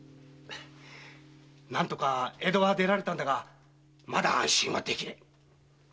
なんとか江戸は出られたんだがまだ安心はできねえ。